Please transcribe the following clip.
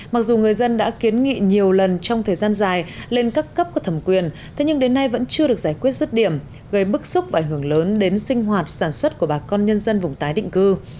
mặc dù người dân đã kiến nghị nhiều lần trong thời gian dài lên các cấp của thẩm quyền thế nhưng đến nay vẫn chưa được giải quyết rứt điểm gây bức xúc và ảnh hưởng lớn đến sinh hoạt sản xuất của bà con nhân dân vùng tái định cư